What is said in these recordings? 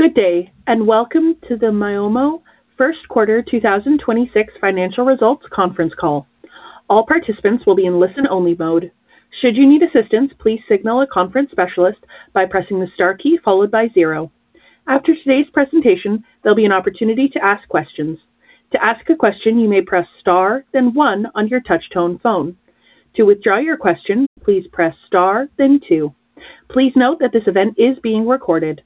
Good day and welcome to the Myomo First Quarter 2026 Financial Results Conference Call. All participants will be in listen-only mode. Should you need assistance, please signal a conference specialist by pressing a star key followed by zero. After today's presentation there'll be an opportunity to ask question. To ask a question you may press star then one on your touch-tone phone. To withdraw your question please press star then two. Please note that this event is being recorded.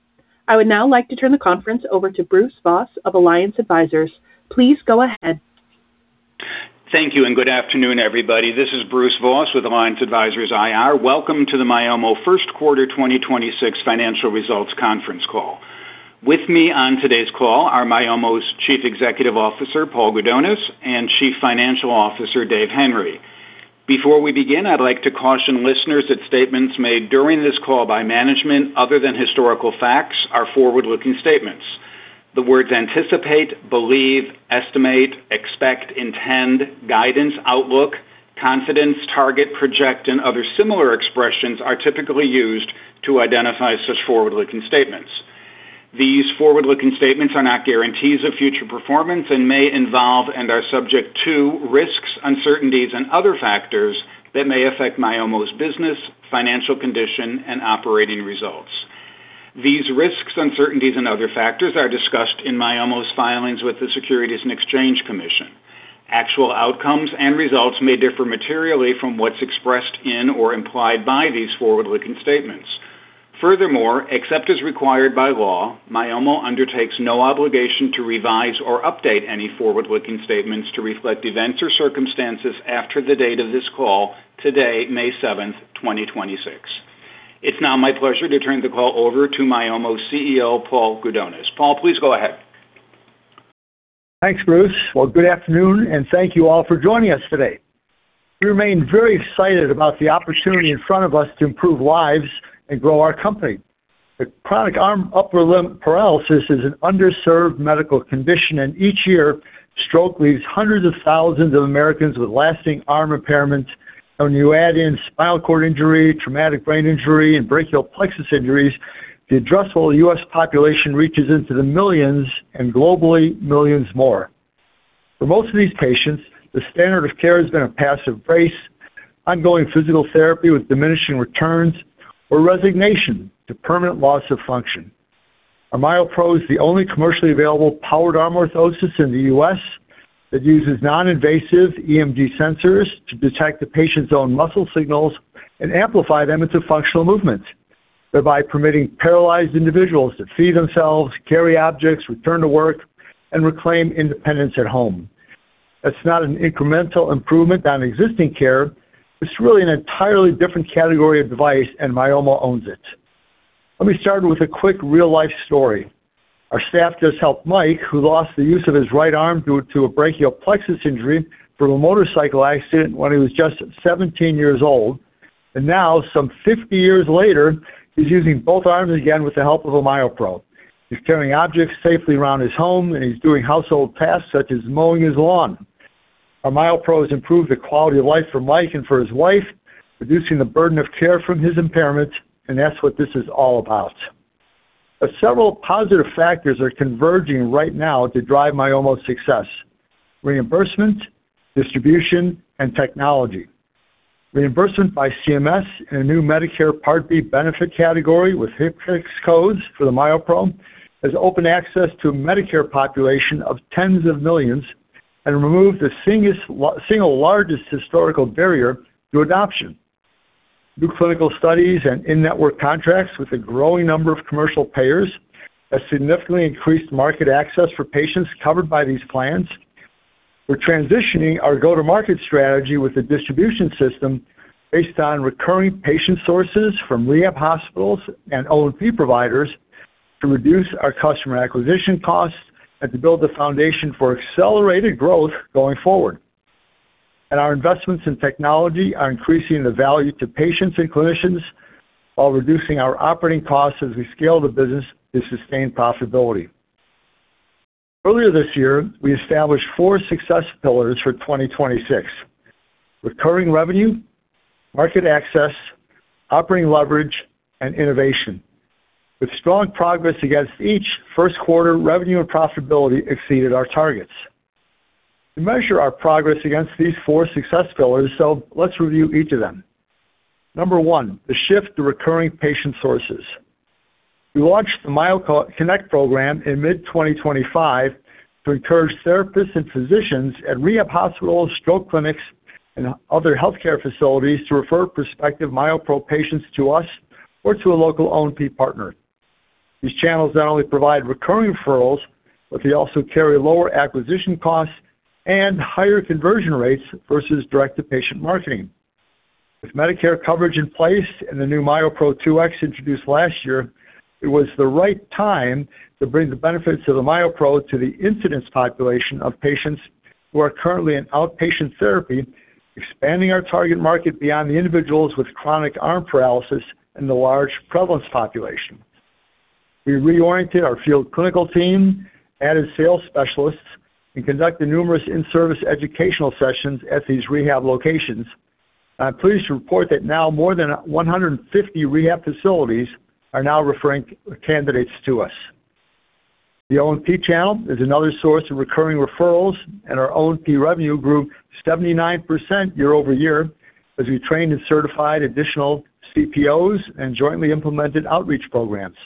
I would now like to turn the conference over to Bruce Voss of Alliance Advisors. Please go ahead. Thank you, good afternoon, everybody. This is Bruce Voss with Alliance Advisors IR. Welcome to the Myomo first quarter 2026 financial results conference call. With me on today's call are Myomo's Chief Executive Officer, Paul Gudonis, and Chief Financial Officer, Dave Henry. Before we begin, I'd like to caution listeners that statements made during this call by management other than historical facts are forward-looking statements. The words anticipate, believe, estimate, expect, intend, guidance, outlook, confidence, target, project, and other similar expressions are typically used to identify such forward-looking statements. These forward-looking statements are not guarantees of future performance and may involve and are subject to risks, uncertainties, and other factors that may affect Myomo's business, financial condition, and operating results. These risks, uncertainties, and other factors are discussed in Myomo's filings with the Securities and Exchange Commission. Actual outcomes and results may differ materially from what's expressed in or implied by these forward-looking statements. Except as required by law, Myomo undertakes no obligation to revise or update any forward-looking statements to reflect events or circumstances after the date of this call today, May 7th, 2026. It's now my pleasure to turn the call over to Myomo's CEO, Paul Gudonis. Paul, please go ahead. Thanks, Bruce. Good afternoon, and thank you all for joining us today. We remain very excited about the opportunity in front of us to improve lives and grow our company. Chronic arm upper limb paralysis is an underserved medical condition. Each year, stroke leaves hundreds of thousands of Americans with lasting arm impairment. When you add in spinal cord injury, traumatic brain injury, and brachial plexus injuries, the addressable U.S. population reaches into the millions. Globally, millions more. For most of these patients, the standard of care has been a passive brace, ongoing physical therapy with diminishing returns or resignation to permanent loss of function. Our MyoPro is the only commercially available powered arm orthosis in the U.S. that uses non-invasive EMG sensors to detect the patient's own muscle signals and amplify them into functional movement, thereby permitting paralyzed individuals to feed themselves, carry objects, return to work, and reclaim independence at home. That's not an incremental improvement on existing care. It's really an entirely different category of device, and Myomo owns it. Let me start with a quick real-life story. Our staff just helped Mike, who lost the use of his right arm due to a brachial plexus injury from a motorcycle accident when he was just 17 years old. Now, some 50 years later, he's using both arms again with the help of a MyoPro. He's carrying objects safely around his home, and he's doing household tasks such as mowing his lawn. Our MyoPro has improved the quality of life for Mike and for his wife, reducing the burden of care from his impairment, and that's what this is all about. Several positive factors are converging right now to drive Myomo's success. Reimbursement, distribution, and technology. Reimbursement by CMS in a new Medicare Part B benefit category with HCPCS codes for the MyoPro has opened access to a Medicare population of tens of millions and removed the single largest historical barrier to adoption. New clinical studies and in-network contracts with a growing number of commercial payers has significantly increased market access for patients covered by these plans. We're transitioning our go-to-market strategy with a distribution system based on recurring patient sources from rehab hospitals and O&P providers to reduce our customer acquisition costs and to build the foundation for accelerated growth going forward. Our investments in technology are increasing the value to patients and clinicians while reducing our operating costs as we scale the business to sustain profitability. Earlier this year, we established four success pillars for 2026: recurring revenue, market access, operating leverage, and innovation. With strong progress against each, first quarter revenue and profitability exceeded our targets. We measure our progress against these four success pillars, let's review each of them. Number one, the shift to recurring patient sources. We launched the MyoConnect program in mid-2025 to encourage therapists and physicians at rehab hospitals, stroke clinics, and other healthcare facilities to refer prospective MyoPro patients to us or to a local O&P partner. These channels not only provide recurring referrals, they also carry lower acquisition costs and higher conversion rates versus direct-to-patient marketing. With Medicare coverage in place and the new MyoPro 2x introduced last year, it was the right time to bring the benefits of the MyoPro to the incidence population of patients who are currently in outpatient therapy, expanding our target market beyond the individuals with chronic arm paralysis and the large prevalence population. We reoriented our field clinical team, added sales specialists, and conducted numerous in-service educational sessions at these rehab locations. I'm pleased to report that now more than 150 rehab facilities are now referring candidates to us. The O&P channel is another source of recurring referrals, and our O&P revenue grew 79% year-over-year as we trained and certified additional CPOs and jointly implemented outreach programs.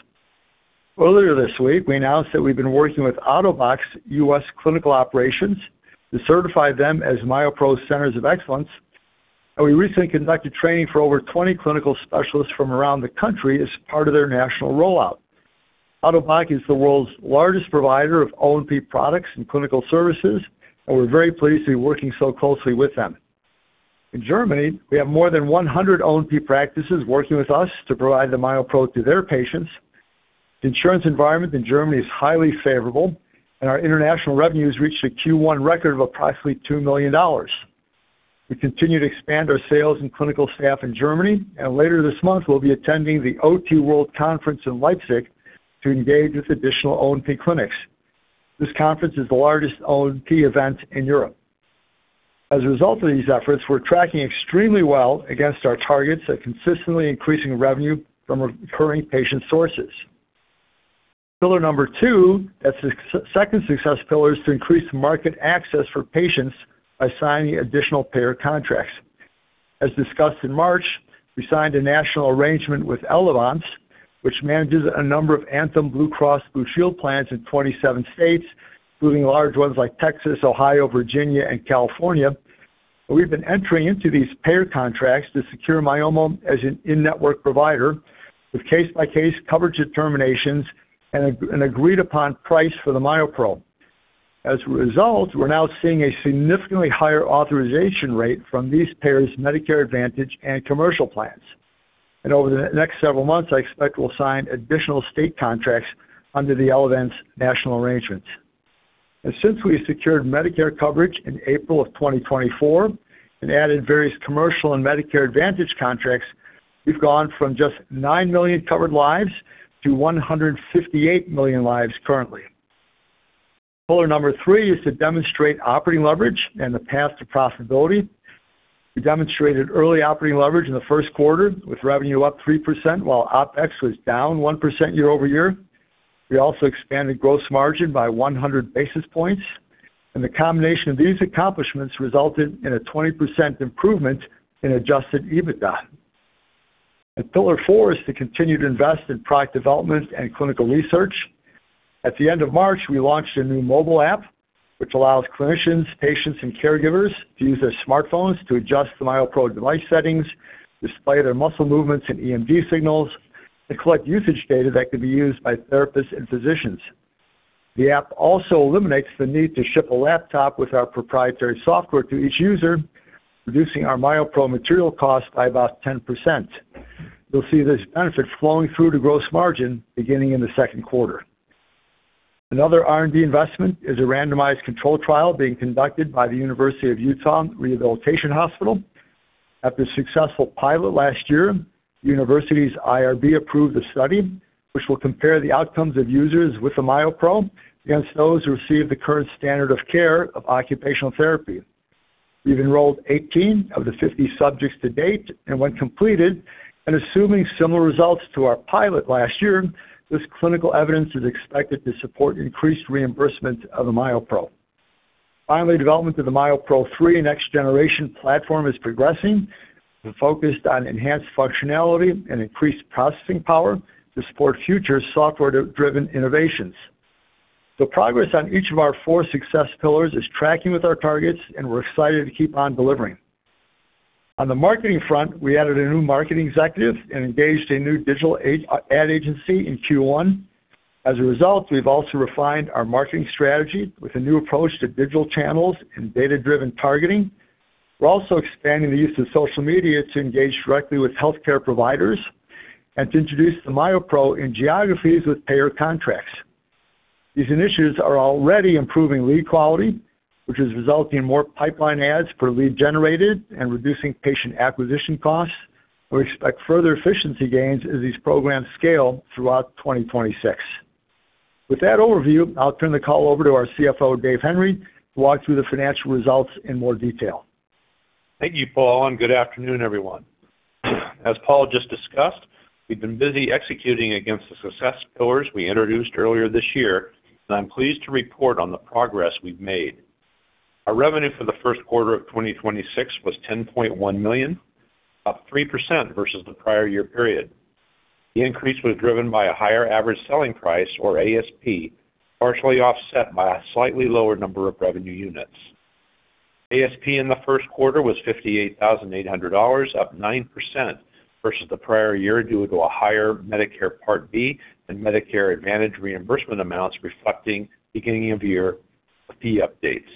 Earlier this week, we announced that we've been working with Ottobock's U.S. clinical operations to certify them as MyoPro Centers of Excellence, and we recently conducted training for over 20 clinical specialists from around the country as part of their national rollout. Ottobock is the world's largest provider of O&P products and clinical services, and we're very pleased to be working so closely with them. In Germany, we have more than 100 O&P practices working with us to provide the MyoPro to their patients. The insurance environment in Germany is highly favorable, and our international revenues reached a Q1 record of approximately $2 million. We continue to expand our sales and clinical staff in Germany, and later this month, we'll be attending the OTWorld Conference in Leipzig to engage with additional O&P clinics. This conference is the largest O&P event in Europe. As a result of these efforts, we're tracking extremely well against our targets of consistently increasing revenue from recurring patient sources. Pillar number two, that's the second success pillar, is to increase market access for patients by signing additional payer contracts. As discussed in March, we signed a national arrangement with Elevance, which manages a number of Anthem Blue Cross Blue Shield plans in 27 states, including large ones like Texas, Ohio, Virginia, and California. We've been entering into these payer contracts to secure Myomo as an in-network provider with case-by-case coverage determinations and agreed upon price for the MyoPro. As a result, we're now seeing a significantly higher authorization rate from these payers' Medicare Advantage and commercial plans. Over the next several months, I expect we'll sign additional state contracts under the Elevance national arrangements. Since we secured Medicare coverage in April of 2024 and added various commercial and Medicare Advantage contracts, we've gone from just 9 million covered lives to 158 million lives currently. Pillar three is to demonstrate operating leverage and the path to profitability. We demonstrated early operating leverage in the first quarter, with revenue up 3%, while OpEx was down 1% year-over-year. We also expanded gross margin by 100 basis points, and the combination of these accomplishments resulted in a 20% improvement in adjusted EBITDA. Pillar four is to continue to invest in product development and clinical research. At the end of March, we launched a new mobile app, which allows clinicians, patients, and caregivers to use their smartphones to adjust the MyoPro device settings, display their muscle movements and EMG signals, and collect usage data that can be used by therapists and physicians. The app also eliminates the need to ship a laptop with our proprietary software to each user, reducing our MyoPro material cost by about 10%. You'll see this benefit flowing through to gross margin beginning in the second quarter. Another R&D investment is a randomized controlled trial being conducted by the University of Utah Rehabilitation Hospital. After a successful pilot last year, the university's IRB approved a study which will compare the outcomes of users with the MyoPro against those who received the current standard of care of occupational therapy. We've enrolled 18 of the 50 subjects to date, and when completed, and assuming similar results to our pilot last year, this clinical evidence is expected to support increased reimbursement of the MyoPro. Finally, development of the MyoPro three next-generation platform is progressing. We're focused on enhanced functionality and increased processing power to support future software driven innovations. The progress on each of our four success pillars is tracking with our targets, and we're excited to keep on delivering. On the marketing front, we added a new marketing executive and engaged a new digital ad agency in Q1. As a result, we've also refined our marketing strategy with a new approach to digital channels and data-driven targeting. We're also expanding the use of social media to engage directly with healthcare providers and to introduce the MyoPro in geographies with payer contracts. These initiatives are already improving lead quality, which is resulting in more pipeline adds per lead generated and reducing patient acquisition costs. We expect further efficiency gains as these programs scale throughout 2026. With that overview, I'll turn the call over to our CFO, Dave Henry, to walk through the financial results in more detail. Thank you, Paul, and good afternoon, everyone. As Paul just discussed, we've been busy executing against the success pillars we introduced earlier this year, and I'm pleased to report on the progress we've made. Our revenue for the first quarter of 2026 was $10.1 million, up 3% versus the prior year period. The increase was driven by a higher average selling price, or ASP, partially offset by a slightly lower number of revenue units. ASP in the first quarter was $58,800, up 9% versus the prior year due to a higher Medicare Part B and Medicare Advantage reimbursement amounts reflecting beginning of year fee updates,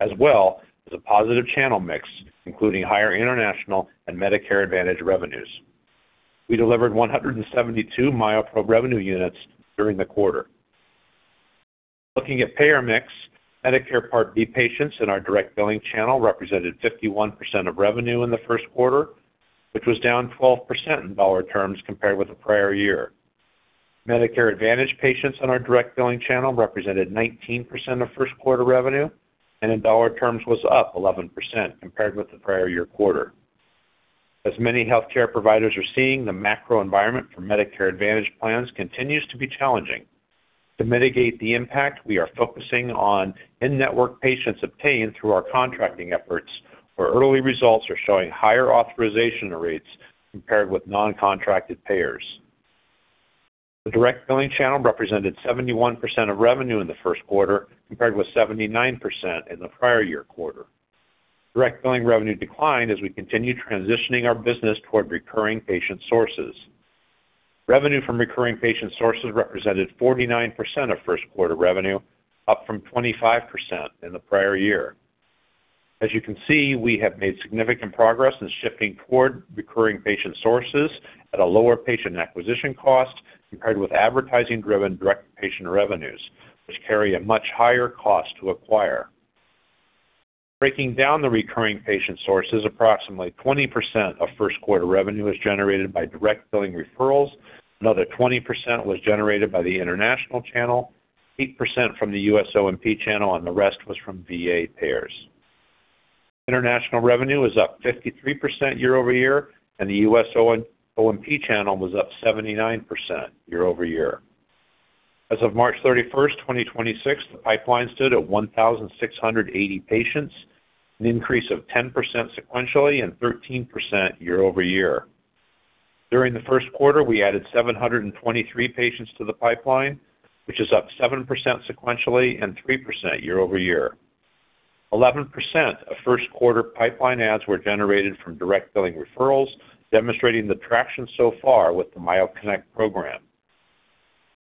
as well as a positive channel mix, including higher international and Medicare Advantage revenues. We delivered 172 MyoPro revenue units during the quarter. Looking at payer mix, Medicare Part B patients in our direct billing channel represented 51% of revenue in the first quarter, which was down 12% in dollar terms compared with the prior year. Medicare Advantage patients on our direct billing channel represented 19% of first quarter revenue, and in dollar terms was up 11% compared with the prior year quarter. As many healthcare providers are seeing, the macro environment for Medicare Advantage plans continues to be challenging. To mitigate the impact, we are focusing on in-network patients obtained through our contracting efforts, where early results are showing higher authorization rates compared with non-contracted payers. The direct billing channel represented 71% of revenue in the first quarter, compared with 79% in the prior year quarter. Direct billing revenue declined as we continued transitioning our business toward recurring patient sources. Revenue from recurring patient sources represented 49% of first quarter revenue, up from 25% in the prior year. As you can see, we have made significant progress in shifting toward recurring patient sources at a lower patient acquisition cost compared with advertising-driven direct patient revenues, which carry a much higher cost to acquire. Breaking down the recurring patient sources, approximately 20% of first quarter revenue was generated by direct billing referrals. Another 20% was generated by the international channel, 8% from the U.S. O&P channel, and the rest was from VA payers. International revenue was up 53% year-over-year, and the U.S. O&P channel was up 79% year-over-year. As of March 31st, 2026, the pipeline stood at 1,680 patients, an increase of 10% sequentially and 13% year-over-year. During the first quarter, we added 723 patients to the pipeline, which is up 7% sequentially and 3% year-over-year. 11% of first quarter pipeline adds were generated from direct billing referrals, demonstrating the traction so far with the MyoConnect program.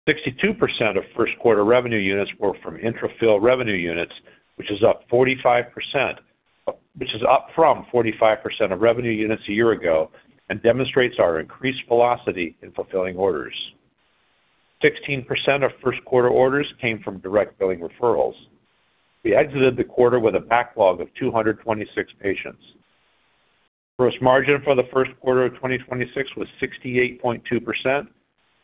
62% of first quarter revenue units were from intra-fill revenue units, which is up from 45% of revenue units a year ago and demonstrates our increased velocity in fulfilling orders. 16% of first quarter orders came from direct billing referrals. We exited the quarter with a backlog of 226 patients. Gross margin for the first quarter of 2026 was 68.2%,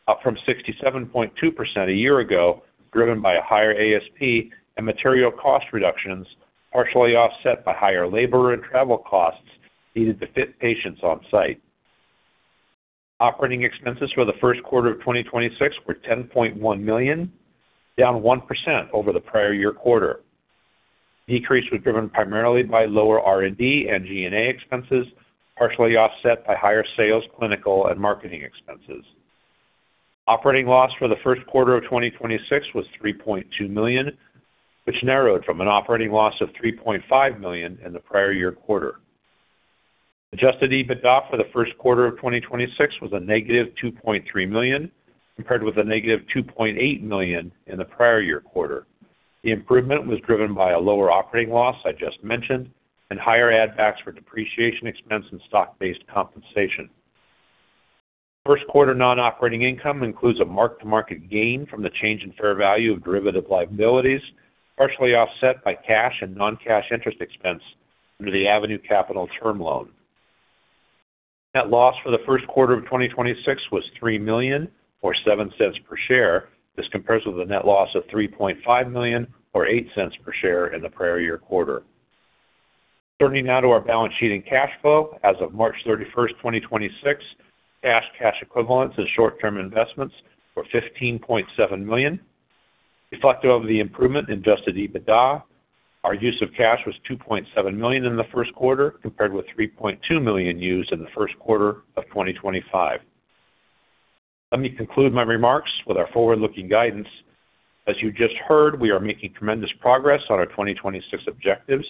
up from 67.2% a year ago, driven by a higher ASP and material cost reductions, partially offset by higher labor and travel costs needed to fit patients on site. Operating expenses for the first quarter of 2026 were $10.1 million, down 1% over the prior year quarter. Decrease was driven primarily by lower R&D and G&A expenses, partially offset by higher sales, clinical and marketing expenses. Operating loss for the first quarter of 2026 was $3.2 million, which narrowed from an operating loss of $3.5 million in the prior year quarter. Adjusted EBITDA for the first quarter of 2026 was a -$2.3 million, compared with a -$2.8 million in the prior year quarter. The improvement was driven by a lower operating loss I just mentioned and higher add backs for depreciation expense and stock-based compensation. First quarter non-operating income includes a mark-to-market gain from the change in fair value of derivative liabilities, partially offset by cash and non-cash interest expense under the Avenue Capital term loan. Net loss for the first quarter of 2026 was $3 million, or $0.07 per share. This compares with a net loss of $3.5 million, or $0.08 per share in the prior year quarter. Turning now to our balance sheet and cash flow. As of March 31st, 2026, cash equivalents and short-term investments were $15.7 million. Reflective of the improvement in adjusted EBITDA, our use of cash was $2.7 million in the first quarter, compared with $3.2 million used in the first quarter of 2025. Let me conclude my remarks with our forward-looking guidance. As you just heard, we are making tremendous progress on our 2026 objectives.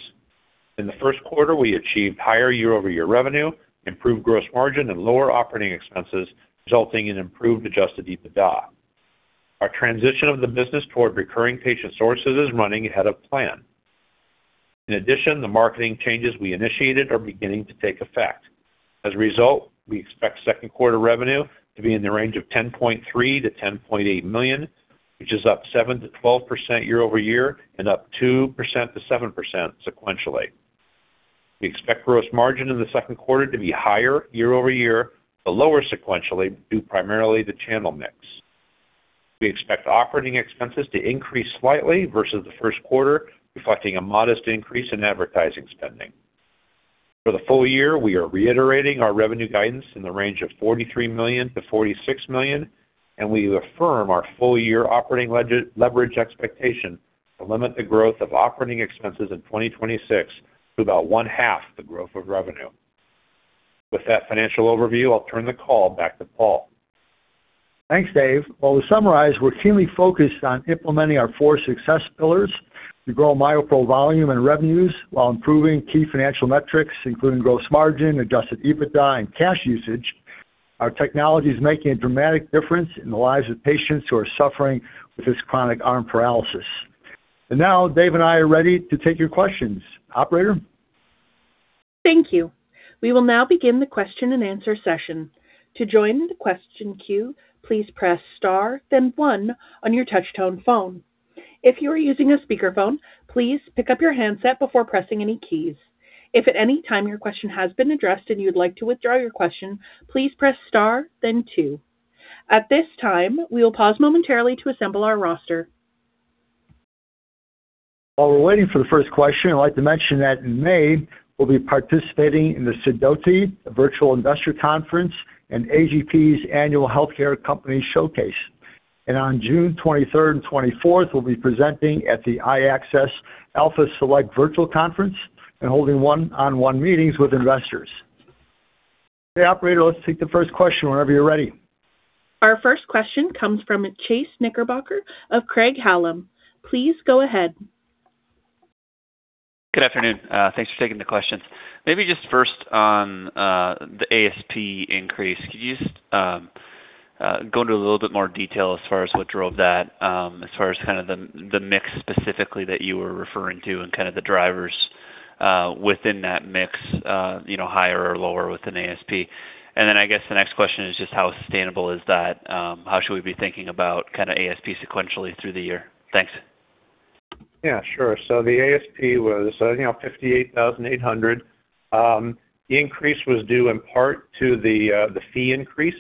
In the first quarter, we achieved higher year-over-year revenue, improved gross margin and lower operating expenses, resulting in improved adjusted EBITDA. Our transition of the business toward recurring patient sources is running ahead of plan. In addition, the marketing changes we initiated are beginning to take effect. As a result, we expect second quarter revenue to be in the range of $10.3 million-$10.8 million, which is up 7%-12% year-over-year and up 2%-7% sequentially. We expect gross margin in the second quarter to be higher year-over-year, but lower sequentially due primarily to channel mix. We expect operating expenses to increase slightly versus the first quarter, reflecting a modest increase in advertising spending. For the full year, we are reiterating our revenue guidance in the range of $43 million-$46 million, we affirm our full year operating leverage expectation to limit the growth of operating expenses in 2026 to about 1/2 the growth of revenue. With that financial overview, I'll turn the call back to Paul. Thanks, Dave. Well, to summarize, we're keenly focused on implementing our four success pillars to grow MyoPro volume and revenues while improving key financial metrics, including gross margin, adjusted EBITDA and cash usage. Our technology is making a dramatic difference in the lives of patients who are suffering with this chronic arm paralysis. Now Dave and I are ready to take your questions. Operator? Thank you. We will now begin the question-and-answer session. To join the question queue, please press star then one on your touch tone phone. If you are using a speakerphone, please pick up your handset before pressing any keys. If at any time your question has been addressed and you'd like to withdraw your question, please press star then two. At this time, we will pause momentarily to assemble our roster. While we're waiting for the first question, I'd like to mention that in May, we'll be participating in the Sidoti Virtual Investor Conference and AGP's annual healthcare company showcase. On June 23rd and 24th, we'll be presenting at the iAccess Alpha Select Virtual Conference and holding one-on-one meetings with investors. Okay, operator, let's take the first question whenever you're ready. Our first question comes from Chase Knickerbocker of Craig-Hallum. Please go ahead. Good afternoon. Thanks for taking the questions. Maybe just first on the ASP increase, could you just go into a little bit more detail as far as what drove that, as far as kind of the mix specifically that you were referring to and kind of the drivers within that mix, you know, higher or lower within ASP? I guess the next question is just how sustainable is that? How should we be thinking about kinda ASP sequentially through the year? Thanks. Yeah, sure. The ASP was, you know, $58,800. The increase was due in part to the fee increase,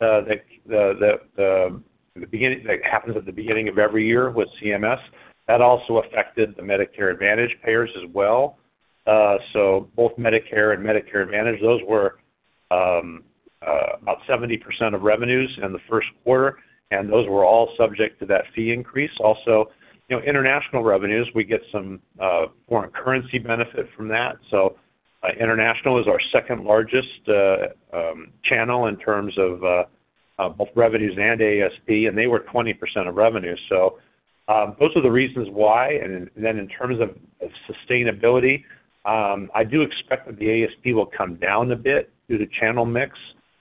like, happens at the beginning of every year with CMS. That also affected the Medicare Advantage payers as well. Both Medicare and Medicare Advantage, those were about 70% of revenues in the first quarter, and those were all subject to that fee increase. Also, you know, international revenues, we get some foreign currency benefit from that. International is our second-largest channel in terms of both revenues and ASP, and they were 20% of revenue. Those are the reasons why. In terms of sustainability, I do expect that the ASP will come down a bit due to channel mix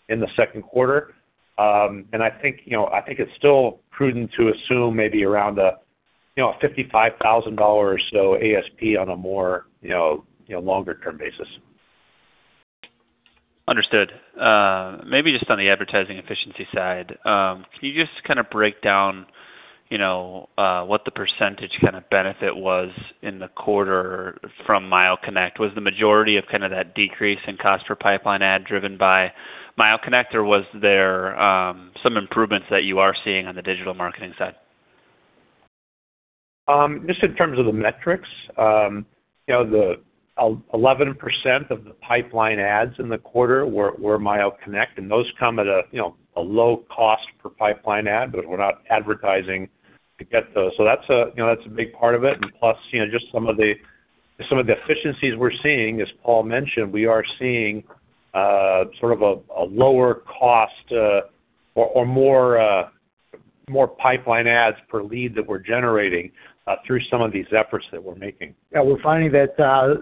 in the second quarter. I think, you know, I think it's still prudent to assume maybe around a, you know, a $55,000 or so ASP on a more longer-term basis. Understood. Maybe just on the advertising efficiency side, can you just kinda break down, you know, what the percentage kinda benefit was in the quarter from MyoConnect? Was the majority of kinda that decrease in cost per pipeline ad driven by MyoConnect, or was there, some improvements that you are seeing on the digital marketing side? Just in terms of the metrics, you know, the 11% of the pipeline ads in the quarter were MyoConnect, and those come at a, you know, a low cost per pipeline ad. We're not advertising to get those. That's a, you know, that's a big part of it. You know, just some of the efficiencies we're seeing, as Paul mentioned, we are seeing sort of a lower cost or more pipeline ads per lead that we're generating through some of these efforts that we're making. We're finding that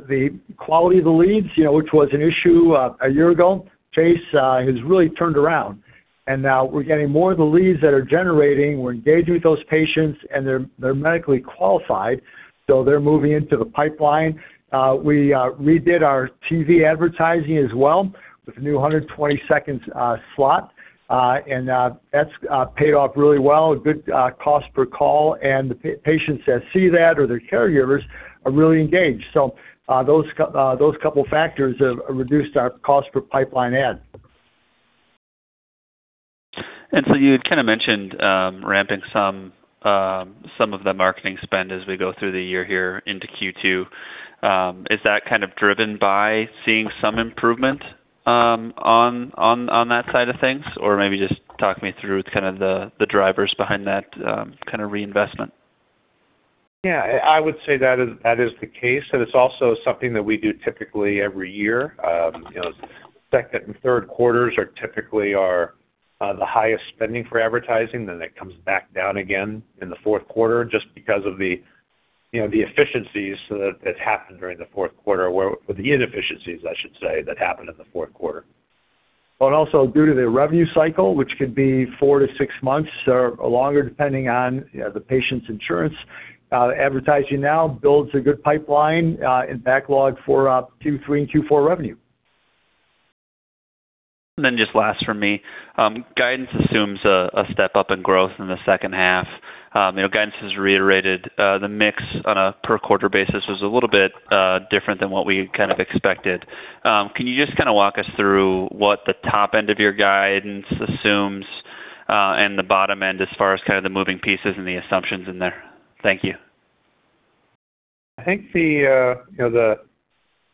the quality of the leads, you know, which was an issue a year ago, Chase, has really turned around. Now we're getting more of the leads that are generating. We're engaging with those patients, and they're medically qualified, so they're moving into the pipeline. We redid our TV advertising as well with a new 120-second slot. That's paid off really well. A good cost per call, and the patients that see that or their caregivers are really engaged. Those couple factors have reduced our cost per pipeline ad. You had kind of mentioned ramping some of the marketing spend as we go through the year here into Q2. Is that kind of driven by seeing some improvement on that side of things? Or maybe just talk me through kind of the drivers behind that kind of reinvestment. Yeah. I would say that is the case, it's also something that we do typically every year. You know, second and third quarters are typically our highest spending for advertising. It comes back down again in the fourth quarter just because of the, you know, the efficiencies that happen during the fourth quarter, or the inefficiencies, I should say, that happen in the fourth quarter. Well, also due to the revenue cycle, which could be four to six months or longer, depending on, you know, the patient's insurance, advertising now builds a good pipeline and backlog for Q3 and Q4 revenue. Just last from me, guidance assumes a step up in growth in the second half. You know, guidance has reiterated, the mix on a per quarter basis was a little bit different than what we kind of expected. Can you just kinda walk us through what the top end of your guidance assumes and the bottom end as far as kind of the moving pieces and the assumptions in there? Thank you. I think the, you know,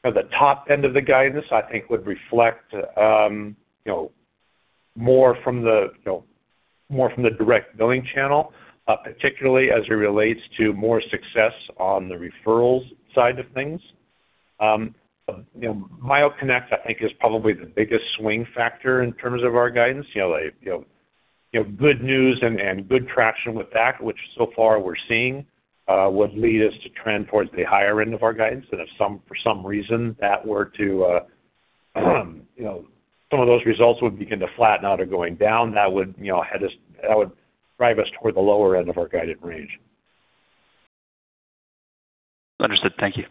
the top end of the guidance, I think would reflect, you know, more from the direct billing channel, particularly as it relates to more success on the referrals side of things. You know, MyoConnect, I think, is probably the biggest swing factor in terms of our guidance. You know, like, you know, good news and good traction with that, which so far we're seeing, would lead us to trend towards the higher end of our guidance. If some, for some reason that were to, you know, some of those results would begin to flatten out or going down, that would, you know, drive us toward the lower end of our guided range. Understood. Thank you.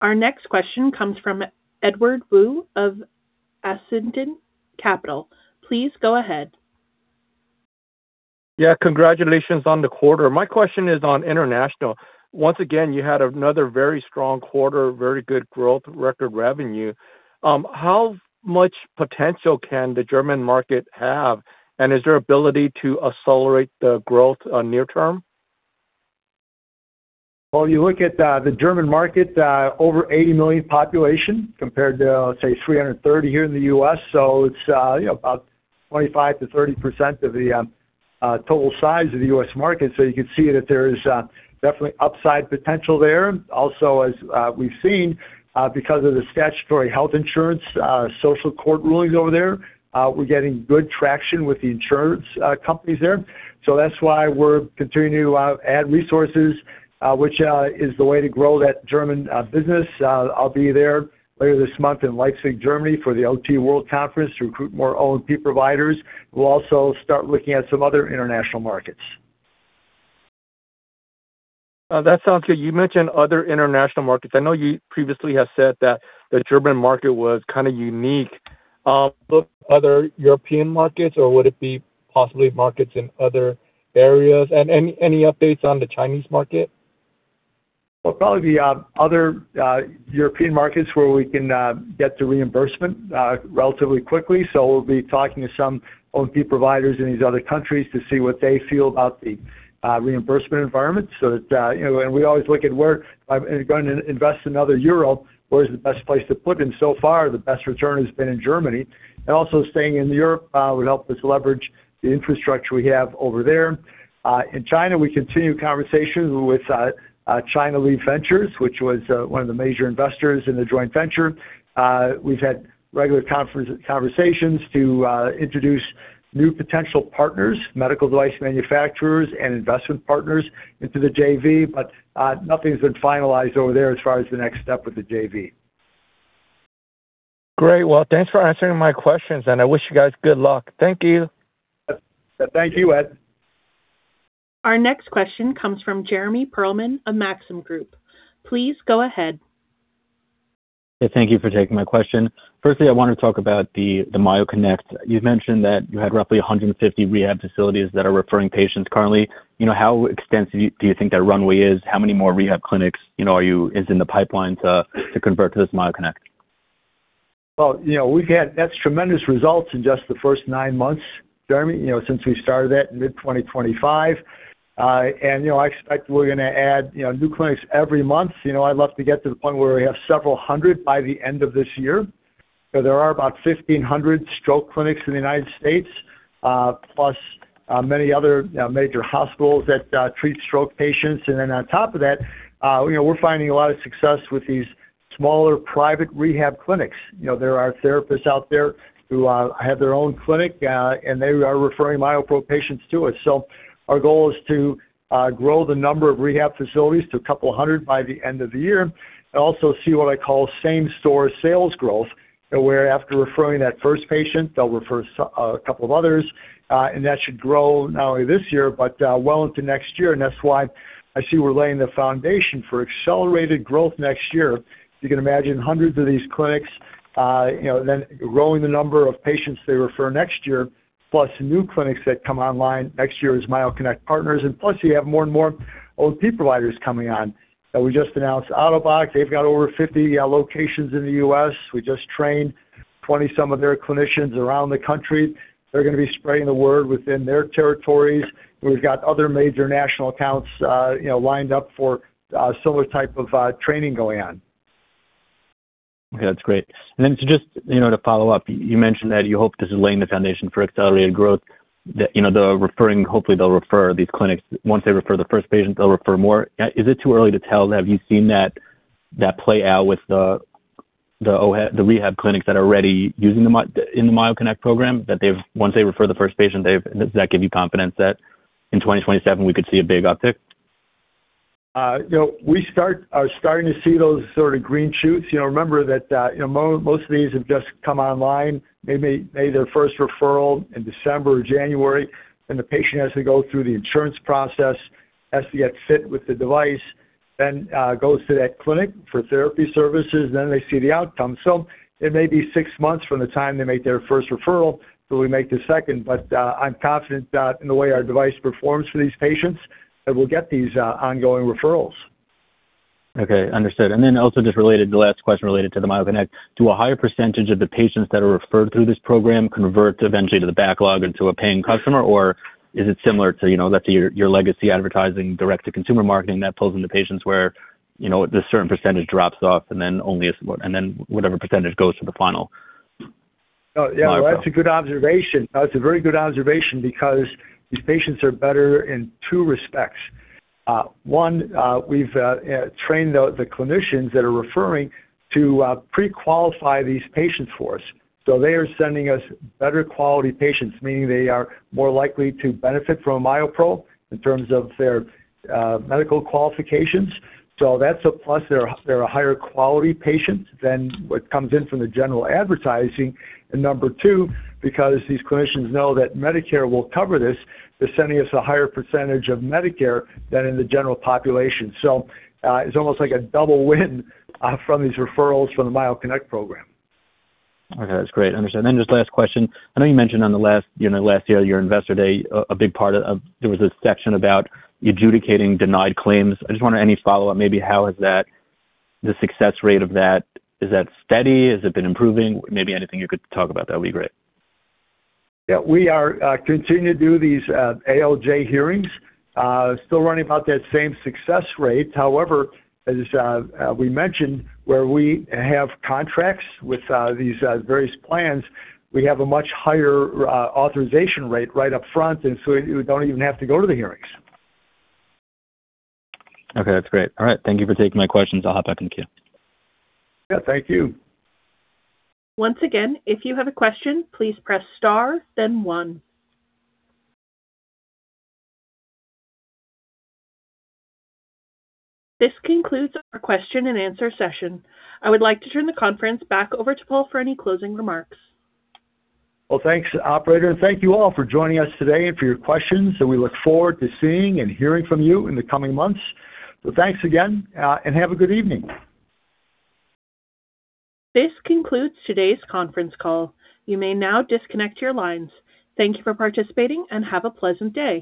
Our next question comes from Edward Woo of Ascendiant Capital. Please go ahead. Yeah. Congratulations on the quarter. My question is on international. Once again, you had another very strong quarter, very good growth, record revenue. How much potential can the German market have, and is there ability to accelerate the growth on near-term? Well, you look at the German market, over 80 million population compared to, let's say, 330 here in the U.S. It's, you know, about 25%-30% of the total size of the U.S. market. You can see that there is definitely upside potential there. Also, as we've seen, because of the statutory health insurance, social court rulings over there, we're getting good traction with the insurance companies there. That's why we're continuing to add resources, which is the way to grow that German business. I'll be there later this month in Leipzig, Germany for the OTWorld Conference to recruit more O&P providers. We'll also start looking at some other international markets. That sounds good. You mentioned other international markets. I know you previously have said that the German market was kinda unique. Other European markets or would it be possibly markets in other areas? Any updates on the Chinese market? Well, probably the other European markets where we can get the reimbursement relatively quickly. We'll be talking to some O&P providers in these other countries to see what they feel about the reimbursement environment so that you know, we always look at where I'm going to invest another euro, where is the best place to put in. So far, the best return has been in Germany. Also staying in Europe would help us leverage the infrastructure we have over there. In China, we continue conversations with China joint venture, which was one of the major investors in the joint venture. We've had regular conversations to introduce new potential partners, medical device manufacturers and investment partners into the JV, but nothing's been finalized over there as far as the next step with the JV. Great. Well, thanks for answering my questions. I wish you guys good luck. Thank you. Thank you, Ed. Our next question comes from Jeremy Pearlman of Maxim Group. Please go ahead. Yeah. Thank you for taking my question. Firstly, I wanted to talk about the MyoConnect. You've mentioned that you had roughly 150 rehab facilities that are referring patients currently. You know, how extensive do you think that runway is? How many more rehab clinics, you know, is in the pipeline to convert to this MyoConnect? Well, you know, we've had tremendous results in just the first nine months, Jeremy, you know, since we started that in mid 2025. I expect we're gonna add, you know, new clinics every month. You know, I'd love to get to the point where we have several hundred by the end of this year. There are about 1,500 stroke clinics in the U.S., plus many other major hospitals that treat stroke patients. On top of that, you know, we're finding a lot of success with these smaller private rehab clinics. You know, there are therapists out there who have their own clinic, and they are referring MyoPro patients to us. Our goal is to grow the number of rehab facilities to a couple hundred by the end of the year. Also see what I call same store sales growth, where after referring that first patient, they'll refer a couple of others, and that should grow not only this year, but well into next year. That's why I see we're laying the foundation for accelerated growth next year. You can imagine hundreds of these clinics, you know, then growing the number of patients they refer next year, plus new clinics that come online next year as MyoConnect partners. Plus, you have more and more O&P providers coming on. We just announced Ottobock. They've got over 50 locations in the U.S. We just trained 20 some of their clinicians around the country. They're gonna be spreading the word within their territories. We've got other major national accounts, you know, lined up for similar type of training going on. Okay, that's great. To just, you know, to follow-up, you mentioned that you hope this is laying the foundation for accelerated growth. The, you know, hopefully, they'll refer these clinics. Once they refer the first patient, they'll refer more. Is it too early to tell? Have you seen that play out with the rehab clinics that are already using the MyoConnect program? Does that give you confidence that in 2027 we could see a big uptick? You know, we are starting to see those sort of green shoots. You know, remember that, you know, most of these have just come online. They made their first referral in December or January, then the patient has to go through the insurance process, has to get fit with the device, then goes to that clinic for therapy services, then they see the outcome. It may be six months from the time they make their first referral till we make the second. I'm confident that in the way our device performs for these patients, that we'll get these ongoing referrals. Okay. Understood. Also just related to the last question related to the MyoConnect. Do a higher percentage of the patients that are referred through this program convert eventually to the backlog into a paying customer, or is it similar to, you know, that's your legacy advertising direct to consumer marketing that pulls into patients where, you know, this certain percentage drops off and then whatever percentage goes to the final MyoPro? Oh, yeah. That's a good observation. That's a very good observation because these patients are better in two respects. One, we've trained the clinicians that are referring to pre-qualify these patients for us. They are sending us better quality patients, meaning they are more likely to benefit from MyoPro in terms of their medical qualifications. That's a plus. They're a higher quality patient than what comes in from the general advertising. Number two, because these clinicians know that Medicare will cover this, they're sending us a higher percentage of Medicare than in the general population. It's almost like a double win from these referrals from the MyoConnect program. Okay. That's great. Understood. Just last question. I know you mentioned on the last, you know, last year, your Investor Day, a big part of-- there was a section about adjudicating denied claims. I just wonder any follow-up, maybe how is that, the success rate of that? Is that steady? Has it been improving? Maybe anything you could talk about that would be great. Yeah. We are continuing to do these ALJ hearings. Still running about that same success rate. However, as we mentioned, where we have contracts with these various plans, we have a much higher authorization rate right up front, and so we don't even have to go to the hearings. Okay. That's great. All right. Thank you for taking my questions. I'll hop back in queue. Yeah. Thank you. Once again, if you have a question, please press star then one. This concludes our question and answer session. I would like to turn the conference back over to Paul for any closing remarks. Well, thanks, operator. Thank you all for joining us today and for your questions. We look forward to seeing and hearing from you in the coming months. Thanks again. Have a good evening. This concludes today's conference call. You may now disconnect your lines. Thank you for participating and have a pleasant day.